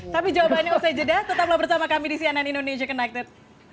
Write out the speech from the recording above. tapi jawabannya usai jeda tetaplah bersama kami di cnn indonesia connected